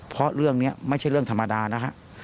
เพราะเรื่องนี้ไม่ใช่เรื่องธรรมดานะฮะ